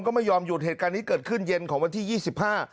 ก็ไม่ยอมหยุดเหตุการณ์นี้เกิดขึ้นเย็นของวันที่ยี่สิบห้า